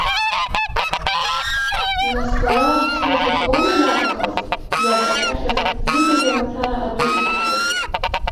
Нас лара аӡә заҵәык лоума иаҵахаз, иаҵаҟьаҟьаз, зыгага мацара адәы иқәхаз?!